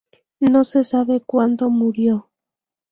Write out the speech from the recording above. No se sabe cuándo murió.